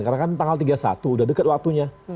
karena kan tanggal tiga puluh satu sudah dekat waktunya